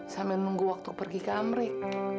sampai nunggu waktu pergi ke amrik